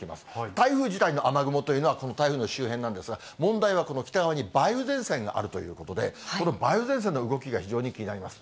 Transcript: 台風自体の雨雲というのはこの台風の周辺なんですが、問題はこの北側に、梅雨前線があるということで、この梅雨前線の動きが非常に気になります。